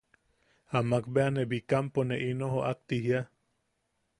Amak bea ne Bikampo ne ino joʼak ti jiia.